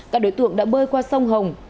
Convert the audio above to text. các đối tượng đã bơi qua sông hồng